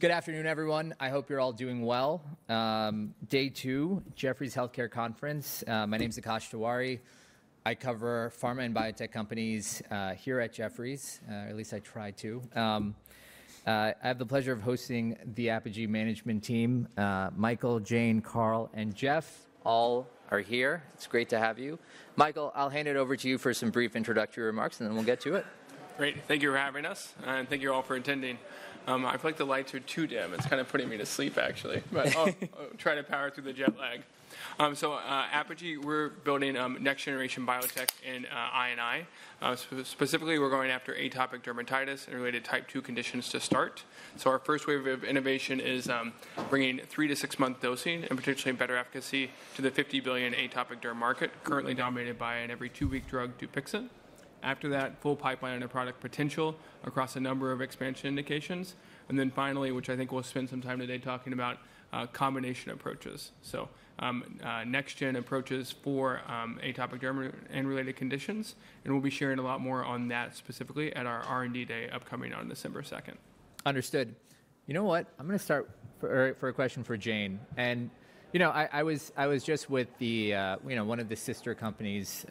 Good afternoon, everyone. I hope you're all doing well. Day two, Jefferies Healthcare Conference. My name's Akash Tewari. I cover pharma and biotech companies, here at Jefferies, or at least I try to. I have the pleasure of hosting the Apogee management team. Michael, Jane, Carl, and Jeff all are here. It's great to have you. Michael, I'll hand it over to you for some brief introductory remarks, and then we'll get to it. Great. Thank you for having us, and thank you all for attending. I like the lights here too dim. It's kind of putting me to sleep, actually, but I'll try to power through the jet lag. So, Apogee, we're building next-generation biotech in I&I. Specifically, we're going after atopic dermatitis and related Type 2 conditions to start. So our first wave of innovation is bringing three- to six-month dosing and potentially better efficacy to the $50 billion atopic derm market, currently dominated by an every-two-week drug, Dupixent. After that, full pipeline and product potential across a number of expansion indications. And then finally, which I think we'll spend some time today talking about, combination approaches. So, next-gen approaches for atopic derm and related conditions. And we'll be sharing a lot more on that specifically at our R&D day upcoming on December 2nd. Understood. You know what? I'm going to start for a question for Jane. And, you know, I was just with the, you know, one of the sister companies,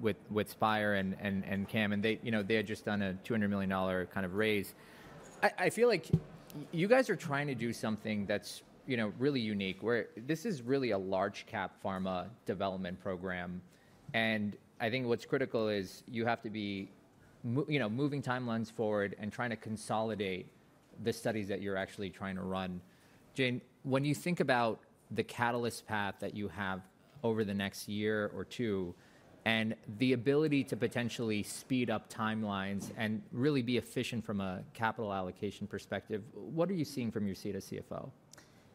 with Spyre and Cam, and they, you know, they had just done a $200 million kind of raise. I feel like you guys are trying to do something that's, you know, really unique, where this is really a large-cap pharma development program. And I think what's critical is you have to be, you know, moving timelines forward and trying to consolidate the studies that you're actually trying to run. Jane, when you think about the catalyst path that you have over the next year or two, and the ability to potentially speed up timelines and really be efficient from a capital allocation perspective, what are you seeing from your seat as CFO?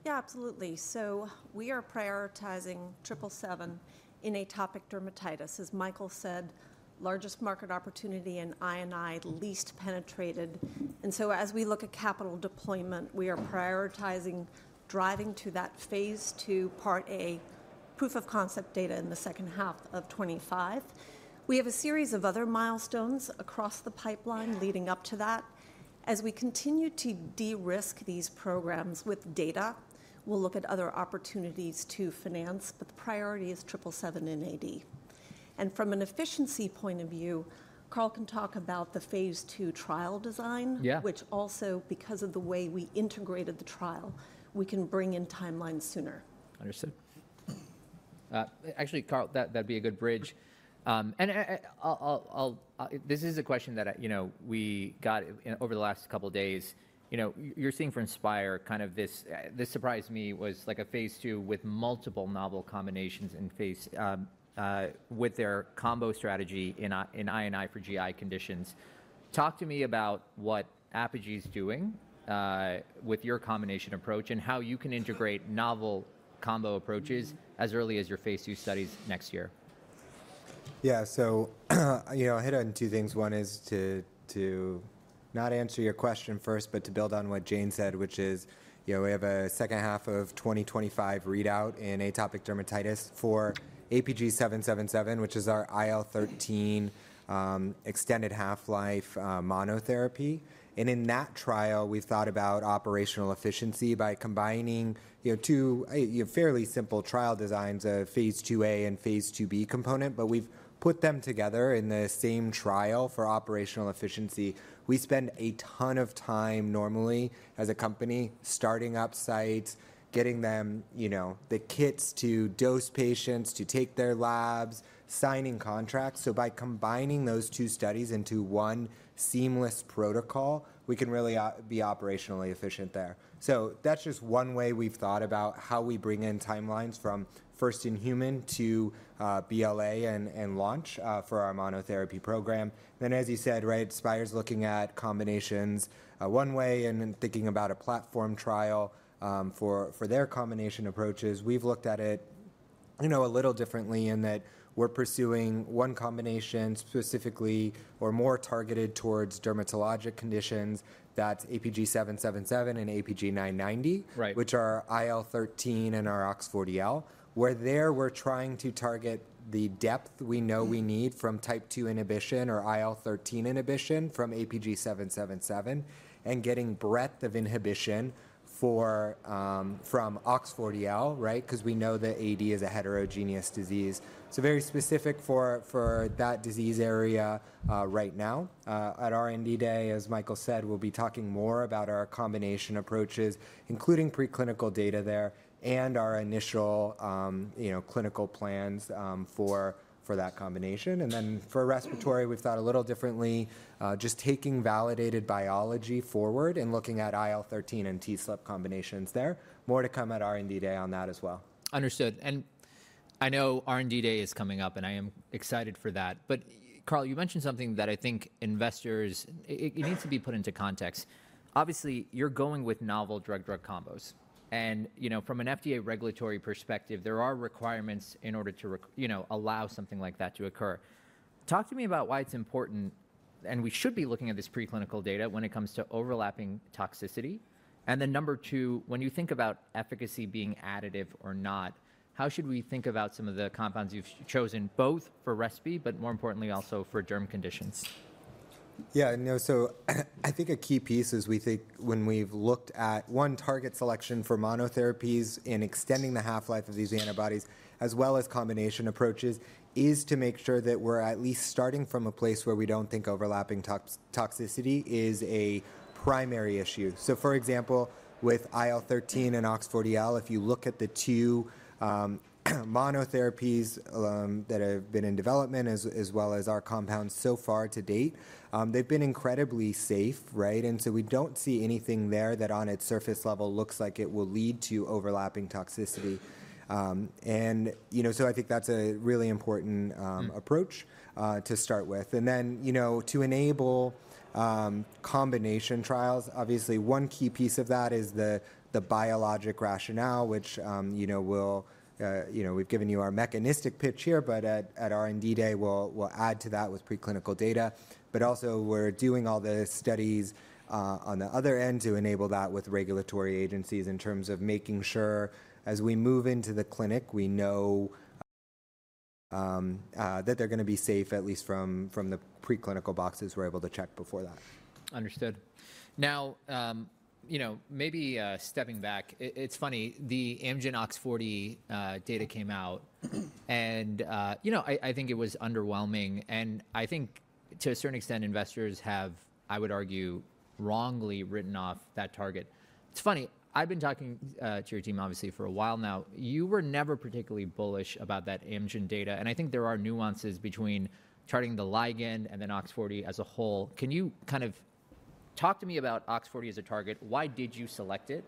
Yeah, absolutely. So we are prioritizing 777 in atopic dermatitis, as Michael said, largest market opportunity in I&I, least penetrated, and so as we look at capital deployment, we are prioritizing driving to that phase II, part A, proof of concept data in the second half of 2025. We have a series of other milestones across the pipeline leading up to that. As we continue to de-risk these programs with data, we'll look at other opportunities to finance, but the priority is triple seven in AD, and from an efficiency point of view, Carl can talk about the phase II trial design. Yeah. Which also, because of the way we integrated the trial, we can bring in timelines sooner. Understood. Actually, Carl, that'd be a good bridge, and I'll this is a question that I, you know, we got over the last couple of days. You know, you're seeing for Spyre kind of this surprised me, was like a phase II with multiple novel combinations in phase, with their combo strategy in I&I for GI conditions. Talk to me about what Apogee's doing with your combination approach and how you can integrate novel combo approaches as early as your phase II studies next year. Yeah, so, you know, I hit on two things. One is to not answer your question first, but to build on what Jane said, which is, you know, we have a second half of 2025 readout in atopic dermatitis for APG-777, which is our IL-13, extended half-life, monotherapy. And in that trial, we've thought about operational efficiency by combining, you know, two, you know, fairly simple trial designs of phase II-A and phase II-B component, but we've put them together in the same trial for operational efficiency. We spend a ton of time normally as a company starting up sites, getting them, you know, the kits to dose patients, to take their labs, signing contracts. So by combining those two studies into one seamless protocol, we can really be operationally efficient there. That's just one way we've thought about how we bring in timelines from first in human to BLA and launch for our Monotherapy program. Then, as you said, right, Spyre's looking at combinations, one way and thinking about a platform trial for their combination approaches. We've looked at it, you know, a little differently in that we're pursuing one combination specifically or more targeted towards dermatologic conditions. That's APG-777 and APG-990. Right. Which are IL-13 and our OX40L. Where there we're trying to target the depth we know we need from type two inhibition or IL-13 inhibition from APG-777 and getting breadth of inhibition for, from OX40L, right? Because we know that AD is a heterogeneous disease. So very specific for, for that disease area, right now. At R&D day, as Michael said, we'll be talking more about our combination approaches, including preclinical data there and our initial, you know, clinical plans, for, for that combination. And then for respiratory, we've thought a little differently, just taking validated biology forward and looking at IL-13 and TSLP combinations there. More to come at R&D day on that as well. Understood. And I know R&D day is coming up, and I am excited for that. But Carl, you mentioned something that I think investors, it needs to be put into context. Obviously, you're going with novel drug-drug combos. And, you know, from an FDA regulatory perspective, there are requirements in order to, you know, allow something like that to occur. Talk to me about why it's important, and we should be looking at this preclinical data when it comes to overlapping toxicity. And then number two, when you think about efficacy being additive or not, how should we think about some of the compounds you've chosen, both for RESPI, but more importantly, also for derm conditions? Yeah, no, so I think a key piece is we think when we've looked at our target selection for monotherapies in extending the half-life of these antibodies, as well as combination approaches, is to make sure that we're at least starting from a place where we don't think overlapping toxicity is a primary issue. So for example, with IL-13 and OX40L, if you look at the two monotherapies that have been in development, as well as our compounds so far to date, they've been incredibly safe, right? And so we don't see anything there that on its surface level looks like it will lead to overlapping toxicity, and you know, so I think that's a really important approach to start with. And then, you know, to enable combination trials, obviously one key piece of that is the biologic rationale, which, you know, we'll, you know, we've given you our mechanistic pitch here, but at R&D day, we'll add to that with preclinical data. But also we're doing all the studies on the other end to enable that with regulatory agencies in terms of making sure as we move into the clinic, we know that they're going to be safe at least from the preclinical boxes we're able to check before that. Understood. Now, you know, maybe stepping back, it's funny, the Amgen OX40 data came out and, you know, I think it was underwhelming. And I think to a certain extent, investors have, I would argue, wrongly written off that target. It's funny, I've been talking to your team obviously for a while now. You were never particularly bullish about that Amgen data. And I think there are nuances between targeting the ligand and then OX40 as a whole. Can you kind of talk to me about OX40 as a target? Why did you select it?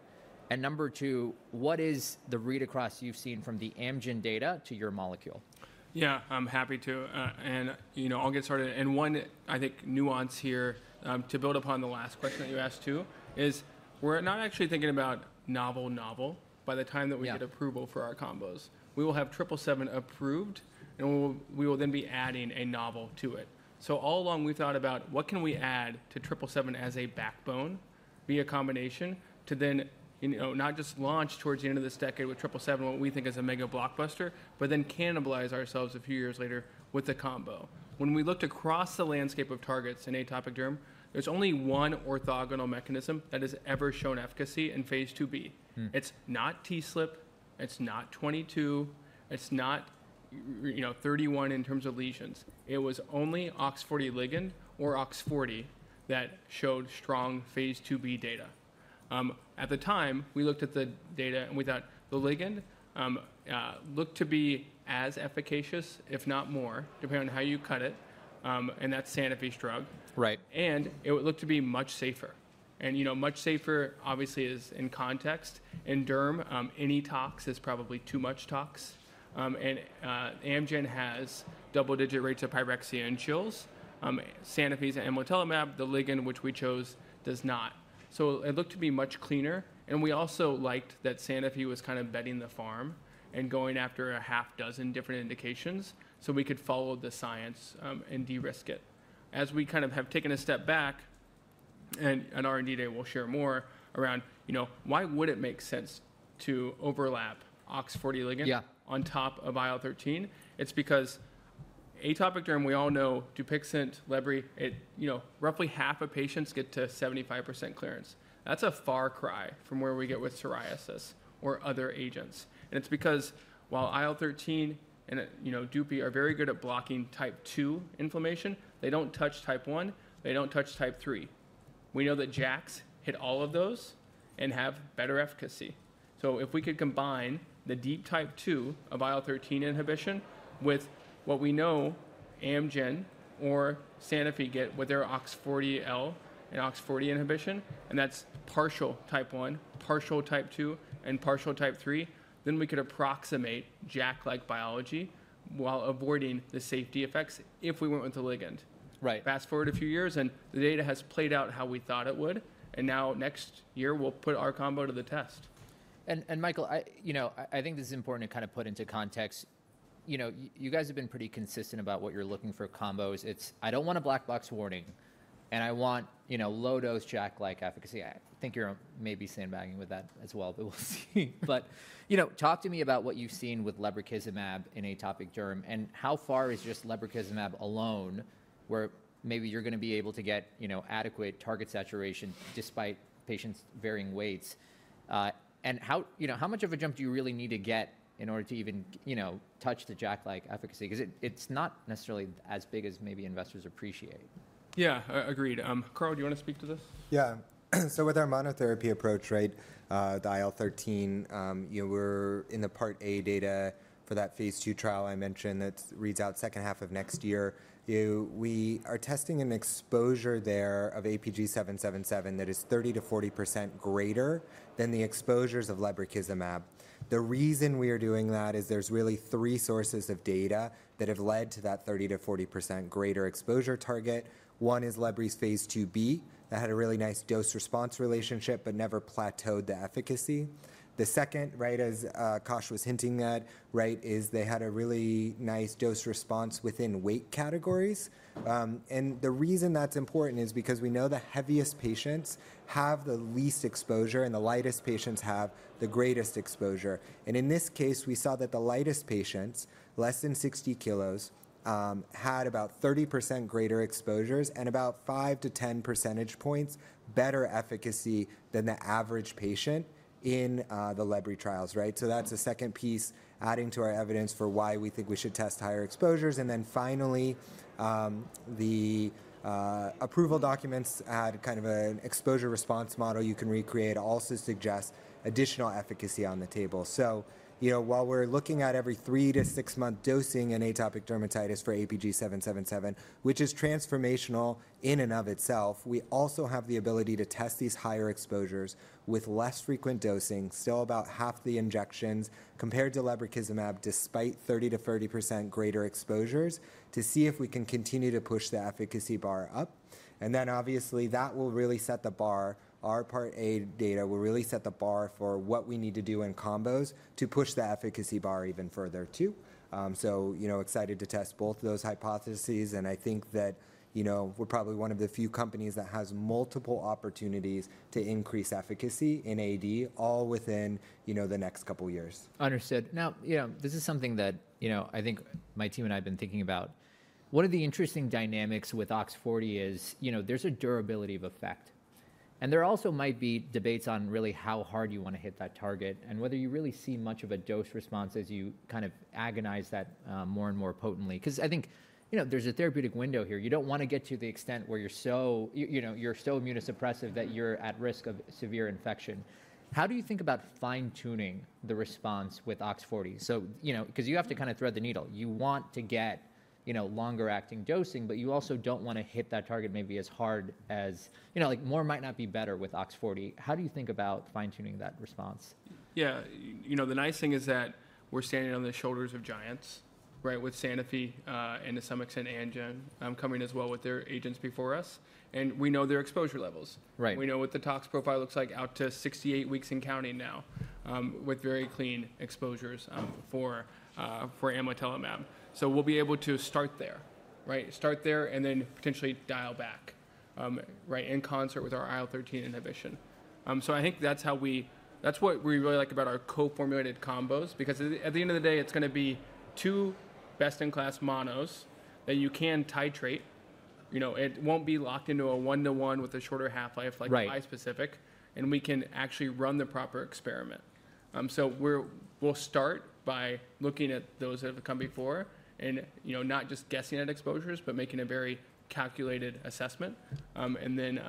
And number two, what is the read across you've seen from the Amgen data to your molecule? Yeah, I'm happy to. And, you know, I'll get started. And one, I think, nuance here, to build upon the last question that you asked too, is we're not actually thinking about novel-novel by the time that we get approval for our combos. We will have 777 approved, and we will, we will then be adding a novel to it. So all along we thought about what can we add to 777 as a backbone via combination to then, you know, not just launch towards the end of this decade with 777, what we think is a mega blockbuster, but then cannibalize ourselves a few years later with the combo. When we looked across the landscape of targets in atopic derm, there's only one orthogonal mechanism that has ever shown efficacy in phase II-B. It's not TSLP, it's not IL-22, it's not, you know, IL-31 in terms of lesions. It was only OX40 ligand or OX40 that showed strong phase II-B data. At the time, we looked at the data and we thought the ligand looked to be as efficacious, if not more, depending on how you cut it. And that's Sanofi's drug. Right. It would look to be much safer. You know, much safer obviously is in context. In derm, any tox is probably too much tox. Amgen has double-digit rates of pyrexia and chills. Sanofi's amlitelimab, the ligand which we chose does not. It looked to be much cleaner. We also liked that Sanofi was kind of betting the farm and going after a half dozen different indications so we could follow the science, and de-risk it. As we kind of have taken a step back, and on R&D day we'll share more around, you know, why would it make sense to overlap OX40L on top of IL-13? It's because atopic derm, we all know Dupixent, lebrikizumab, it, you know, roughly half of patients get to 75% clearance. That's a far cry from where we get with psoriasis or other agents. It's because while IL-13 and, you know, Dupixent are very good at blocking Type 2 inflammation, they don't touch Type 1, they don't touch Type 3. We know that JAKs hit all of those and have better efficacy. If we could combine the deep Type 2 of IL-13 inhibition with what we know Amgen or Sanofi get with their OX40L and OX40 inhibition, and that's partial Type 1, partial Type 2, and partial Type 3, then we could approximate JAK-like biology while avoiding the safety effects if we went with the ligand. Right. Fast forward a few years and the data has played out how we thought it would, and now next year we'll put our combo to the test. And Michael, you know, I think this is important to kind of put into context. You know, you guys have been pretty consistent about what you're looking for combos. It's, I don't want a black box warning. And I want, you know, low dose JAK-like efficacy. I think you're maybe sandbagging with that as well, but we'll see. But, you know, talk to me about what you've seen with lebrikizumab in atopic derm and how far is just lebrikizumab alone where maybe you're going to be able to get, you know, adequate target saturation despite patients' varying weights. And how, you know, how much of a jump do you really need to get in order to even, you know, touch the JAK-like efficacy? Because it's not necessarily as big as maybe investors appreciate. Yeah, agreed. Carl, do you want to speak to this? Yeah. So with our monotherapy approach, right, the IL-13, you know, we're in the part A data for that phase II trial I mentioned that reads out second half of next year. We are testing an exposure there of APG-777 that is 30%-40% greater than the exposures of lebrikizumab. The reason we are doing that is there's really three sources of data that have led to that 30%-40% greater exposure target. One is lebrikizumab's phase II-B that had a really nice dose-response relationship, but never plateaued the efficacy. The second, right, as Akash was hinting at, right, is they had a really nice dose-response within weight categories, and the reason that's important is because we know the heaviest patients have the least exposure and the lightest patients have the greatest exposure. In this case, we saw that the lightest patients, less than 60 kilos, had about 30% greater exposures and about 5-10 percentage points better efficacy than the average patient in the lebrikizumab trials, right? That's a second piece adding to our evidence for why we think we should test higher exposures. Finally, the approval documents had kind of an exposure response model you can recreate, also suggests additional efficacy on the table. You know, while we're looking at every three- to six-month dosing in atopic dermatitis for APG-777, which is transformational in and of itself, we also have the ability to test these higher exposures with less frequent dosing, still about half the injections compared to lebrikizumab despite 30%-40% greater exposures to see if we can continue to push the efficacy bar up. And then obviously that will really set the bar. Our part A data will really set the bar for what we need to do in combos to push the efficacy bar even further too. So, you know, excited to test both of those hypotheses. And I think that, you know, we're probably one of the few companies that has multiple opportunities to increase efficacy in AD all within, you know, the next couple of years. Understood. Now, you know, this is something that, you know, I think my team and I have been thinking about. One of the interesting dynamics with OX40 is, you know, there's a durability of effect, and there also might be debates on really how hard you want to hit that target and whether you really see much of a dose response as you kind of agonize that, more and more potently. Because I think, you know, there's a therapeutic window here. You don't want to get to the extent where you're so, you know, you're so immunosuppressive that you're at risk of severe infection. How do you think about fine-tuning the response with OX40? So, you know, because you have to kind of thread the needle. You want to get, you know, longer acting dosing, but you also don't want to hit that target maybe as hard as, you know, like more might not be better with OX40. How do you think about fine-tuning that response? Yeah, you know, the nice thing is that we're standing on the shoulders of giants, right, with Sanofi, and to some extent Amgen, coming as well with their agents before us. And we know their exposure levels. Right. We know what the tox profile looks like out to 68 weeks and counting now, with very clean exposures, for amlitelimab. So we'll be able to start there, right? Start there and then potentially dial back, right, in concert with our IL-13 inhibition, so I think that's how we, that's what we really like about our co-formulated combos, because at the end of the day, it's going to be two best-in-class monos that you can titrate. You know, it won't be locked into a one-to-one with a shorter half-life like bispecific. And we can actually run the proper experiment, so we'll start by looking at those that have come before and, you know, not just guessing at exposures, but making a very calculated assessment, and then,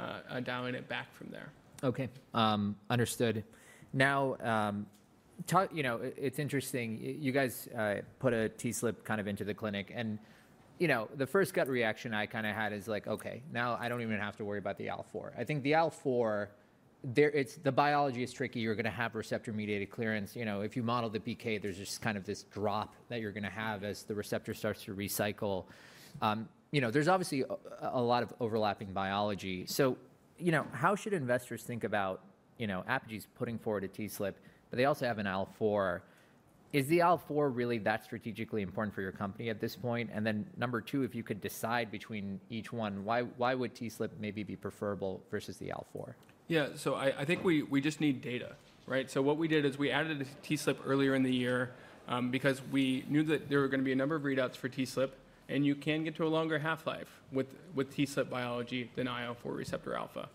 dialing it back from there. Okay. Understood. Now, talk, you know, it's interesting, you guys put a TSLP kind of into the clinic and, you know, the first gut reaction I kind of had is like, okay, now I don't even have to worry about the IL-4. I think the IL-4, there, it's, the biology is tricky. You're going to have receptor-mediated clearance. You know, if you model the PK, there's just kind of this drop that you're going to have as the receptor starts to recycle. You know, there's obviously a lot of overlapping biology. So, you know, how should investors think about, you know, Apogee's putting forward a TSLP, but they also have an IL-4. Is the IL-4 really that strategically important for your company at this point? And then number two, if you could decide between each one, why, why would TSLP maybe be preferable versus the IL-4? Yeah, so I think we just need data, right? So what we did is we added a TSLP earlier in the year, because we knew that there were going to be a number of readouts for TSLP and you can get to a longer half-life with TSLP biology than IL-4 receptor alpha.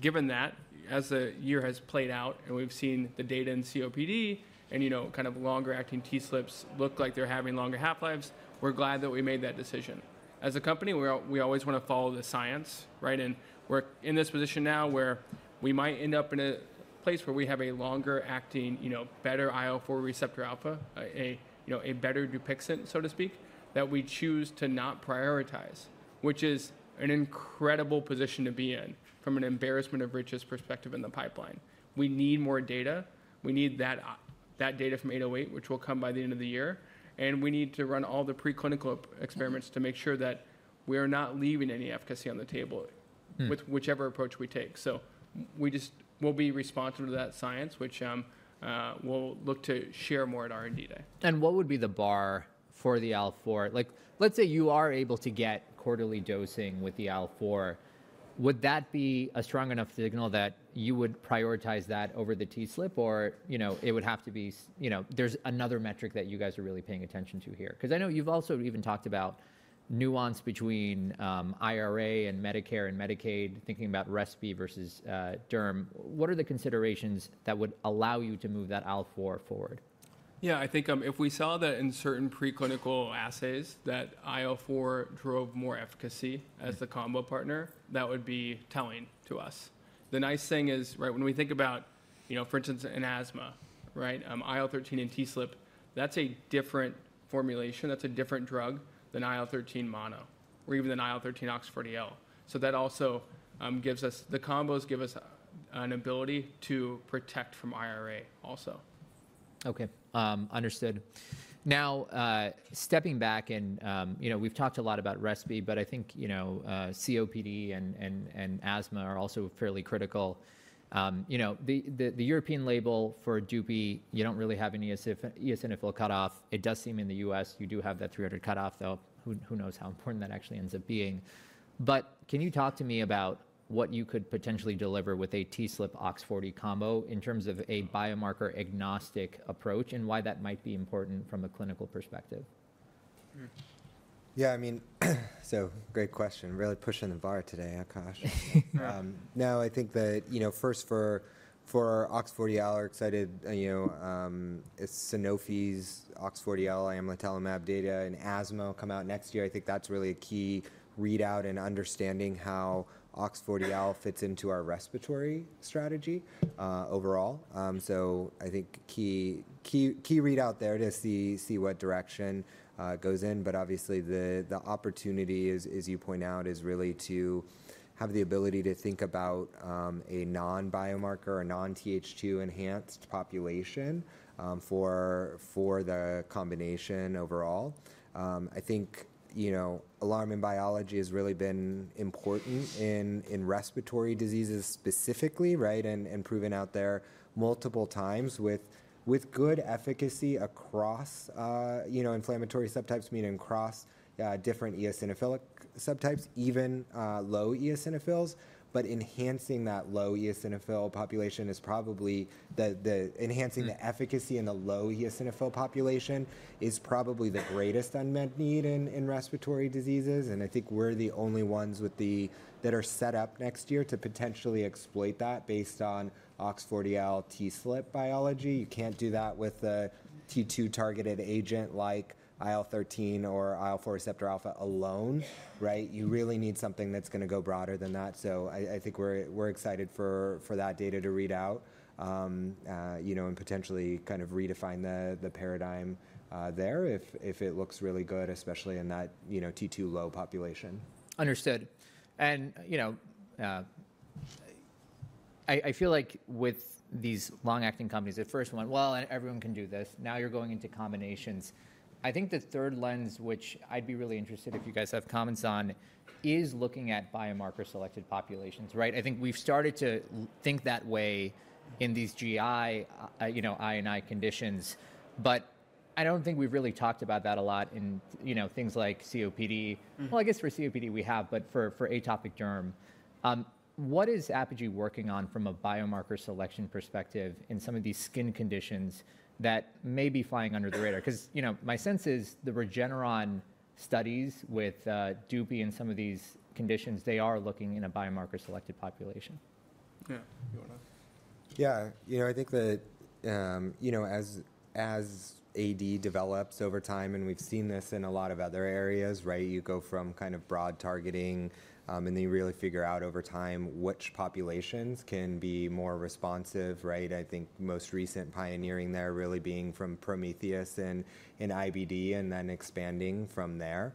Given that as the year has played out and we've seen the data in COPD and, you know, kind of longer acting TSLPs look like they're having longer half-lives, we're glad that we made that decision. As a company, we always want to follow the science, right? And we're in this position now where we might end up in a place where we have a longer acting, you know, better IL-4 receptor alpha, a, you know, a better Dupixent, so to speak, that we choose to not prioritize, which is an incredible position to be in from an embarrassment of riches perspective in the pipeline. We need more data. We need that data from 808, which will come by the end of the year. And we need to run all the preclinical experiments to make sure that we are not leaving any efficacy on the table with whichever approach we take. So we just, we'll be responsible to that science, which, we'll look to share more at R&D day. What would be the bar for the IL-4? Like, let's say you are able to get quarterly dosing with the IL-4. Would that be a strong enough signal that you would prioritize that over the TSLP or, you know, it would have to be, you know, there's another metric that you guys are really paying attention to here? Because I know you've also even talked about nuance between, IRA and Medicare and Medicaid, thinking about RESPI versus, derm. What are the considerations that would allow you to move that IL-4 forward? Yeah, I think, if we saw that in certain preclinical assays that IL-4 drove more efficacy as the combo partner, that would be telling to us. The nice thing is, right, when we think about, you know, for instance, in asthma, right, IL-13 and TSLP, that's a different formulation. That's a different drug than IL-13 mono or even than IL-13 OX40L. So that also, gives us, the combos give us an ability to protect from IRA also. Okay. Understood. Now, stepping back and, you know, we've talked a lot about RESPI, but I think, you know, COPD and asthma are also fairly critical. You know, the European label for Dupixent, you don't really have any eosinophil cutoff. It does seem in the U.S. you do have that 300 cutoff though. Who knows how important that actually ends up being. But can you talk to me about what you could potentially deliver with a TSLP OX40 combo in terms of a biomarker agnostic approach and why that might be important from a clinical perspective? Yeah, I mean, so great question. Really pushing the bar today, huh, Akash? No, I think that, you know, first for our OX40L, we're excited, you know, Sanofi's OX40L amlitelimab data in asthma come out next year. I think that's really a key readout and understanding how OX40L fits into our respiratory strategy, overall. So I think key readout there to see what direction goes in. But obviously the opportunity is, as you point out, really to have the ability to think about a non-biomarker or non-TH2 enhanced population for the combination overall. I think, you know, alarmins biology has really been important in respiratory diseases specifically, right? And proven out there multiple times with good efficacy across, you know, inflammatory subtypes, meaning across different eosinophilic subtypes, even low eosinophils. But enhancing the efficacy in the low eosinophil population is probably the greatest unmet need in respiratory diseases. And I think we're the only ones that are set up next year to potentially exploit that based on OX40L TSLP biology. You can't do that with a T2 targeted agent like IL-13 or IL-4 receptor alpha alone, right? You really need something that's going to go broader than that. So I think we're excited for that data to read out, you know, and potentially kind of redefine the paradigm there if it looks really good, especially in that, you know, T2 low population. Understood. And, you know, I feel like with these long-acting companies, at first went, well, everyone can do this. Now you're going into combinations. I think the third lens, which I'd be really interested if you guys have comments on, is looking at biomarker selected populations, right? I think we've started to think that way in these GI, you know, I and I conditions, but I don't think we've really talked about that a lot in, you know, things like COPD. Well, I guess for COPD we have, but for atopic derm, what is Apogee working on from a biomarker selection perspective in some of these skin conditions that may be flying under the radar? Because, you know, my sense is the Regeneron studies with Dupixent and some of these conditions, they are looking in a biomarker selected population. Yeah. You want to? Yeah, you know, I think that, you know, as AD develops over time, and we've seen this in a lot of other areas, right? You go from kind of broad targeting, and then you really figure out over time which populations can be more responsive, right? I think most recent pioneering there really being from Prometheus and IBD and then expanding from there.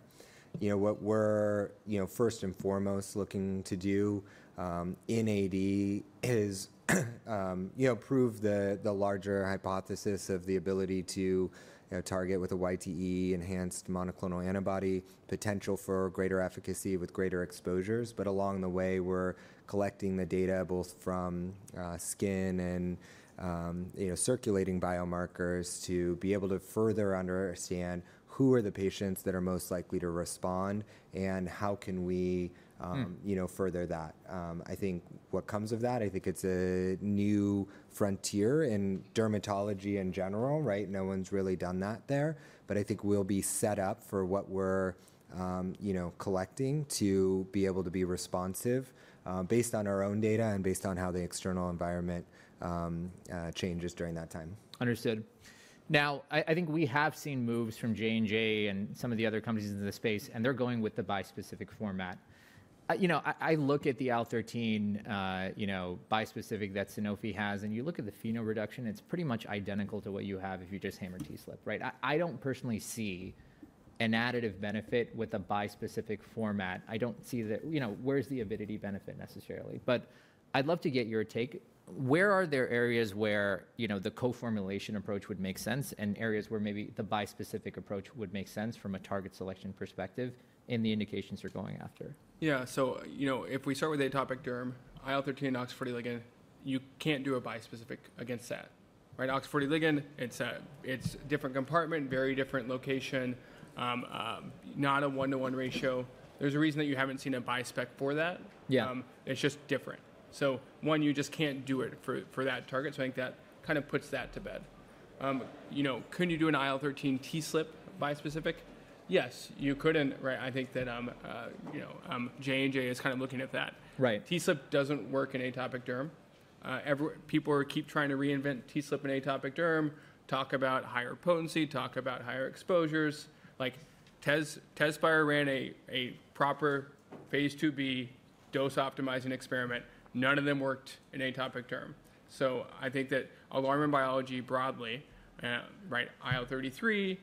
You know, what we're, you know, first and foremost looking to do in AD is, you know, prove the larger hypothesis of the ability to, you know, target with a YTE enhanced monoclonal antibody potential for greater efficacy with greater exposures. But along the way, we're collecting the data both from skin and, you know, circulating biomarkers to be able to further understand who are the patients that are most likely to respond and how can we, you know, further that. I think what comes of that. I think it's a new frontier in dermatology in general, right? No one's really done that there, but I think we'll be set up for what we're, you know, collecting to be able to be responsive, based on our own data and based on how the external environment changes during that time. Understood. Now, I think we have seen moves from J&J and some of the other companies in the space, and they're going with the bispecific format. You know, I look at the IL-13, you know, bispecific that Sanofi has, and you look at the phenotype reduction, it's pretty much identical to what you have if you just hammer TSLP, right? I don't personally see an additive benefit with a bispecific format. I don't see that, you know, where's the avidity benefit necessarily, but I'd love to get your take. Where are there areas where, you know, the co-formulation approach would make sense and areas where maybe the bispecific approach would make sense from a target selection perspective in the indications you're going after? Yeah. So, you know, if we start with atopic derm, IL-13 and OX40 ligand, you can't do a bispecific against that, right? OX40 ligand, it's a, it's different compartment, very different location, not a 1-1 ratio. There's a reason that you haven't seen a bispec for that. Yeah. It's just different. So one, you just can't do it for that target. So I think that kind of puts that to bed. You know, couldn't you do an IL-13 TSLP bispecific? Yes, you couldn't, right? I think that, you know, J&J is kind of looking at that. Right. TSLP doesn't work in atopic derm. Every people are keep trying to reinvent TSLP in atopic derm, talk about higher potency, talk about higher exposures. Like Tezspire ran a proper phase II-B dose optimizing experiment. None of them worked in atopic derm. So I think that alarming biology broadly, right, IL-33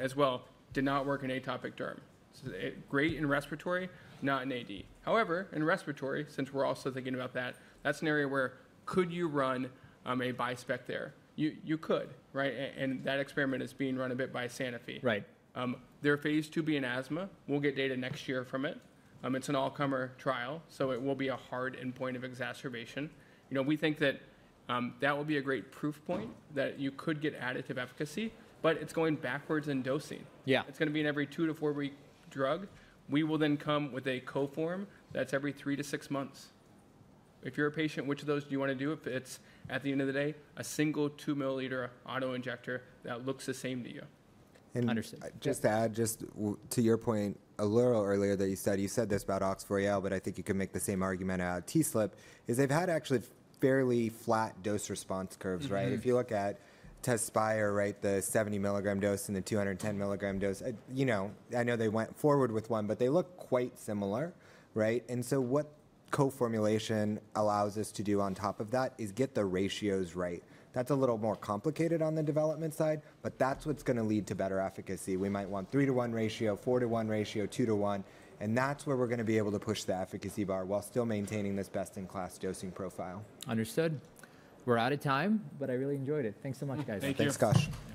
as well did not work in atopic derm. So great in respiratory, not in AD. However, in respiratory, since we're also thinking about that, that's an area where could you run a bispecific there? You could, right? And that experiment is being run a bit by Sanofi. Right. They're phase II-B in asthma. We'll get data next year from it. It's an all-comer trial, so it will be a hard endpoint of exacerbation. You know, we think that will be a great proof point that you could get additive efficacy, but it's going backwards in dosing. Yeah. It's going to be an every two to four week drug. We will then come with a co-form that's every three to six months. If you're a patient, which of those do you want to do? If it's at the end of the day, a single two milliliter auto injector that looks the same to you. Understood. Just to add, just to your point, a little earlier that you said, you said this about OX40L, but I think you can make the same argument about TSLP is they've had actually fairly flat dose-response curves, right? If you look at Tezspire, right, the 70 mg dose and the 210 mg dose, you know, I know they went forward with one, but they look quite similar, right? And so what co-formulation allows us to do on top of that is get the ratios right. That's a little more complicated on the development side, but that's what's going to lead to better efficacy. We might want 3-1 ratio, 4-1 ratio, 2-1, and that's where we're going to be able to push the efficacy bar while still maintaining this best-in-class dosing profile. Understood. We're out of time, but I really enjoyed it. Thanks so much, guys. Thank you, Akash.